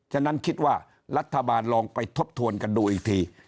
ฉะนั้นคิดว่ารัฐบาลลองไปทบทวนกันดูอีกที